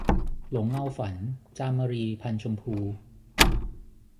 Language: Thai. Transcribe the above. หลงเงาฝัน - จามรี พรรณชมพู